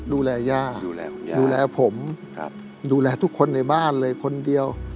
ย่าดูแลย่าดูแลดูแลผมดูแลทุกคนในบ้านเลยคนเดียว